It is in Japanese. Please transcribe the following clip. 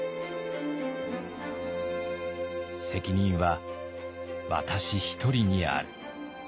「責任は私一人にある」。